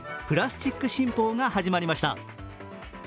プラスチック新法が始まりました。